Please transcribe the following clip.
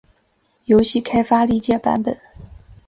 游戏开发历届版本